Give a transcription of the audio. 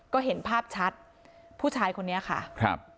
ก็เห็นภาพชัดผู้ชายคนนี้ค่ะครับ